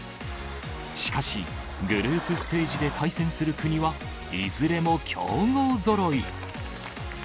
しかし、グループステージで対戦する国はいずれも強豪ぞろい。